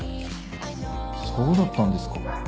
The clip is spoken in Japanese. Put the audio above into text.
そうだったんですか。